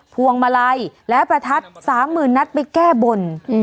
พวงมาลัยและประทัด๓๐๐๐นัดไปแก้บน